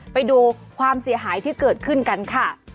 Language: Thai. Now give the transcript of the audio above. ไปดูความเสียหายที่เกิดขึ้นกันค่ะ